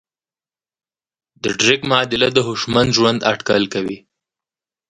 د ډریک معادله د هوشمند ژوند اټکل کوي.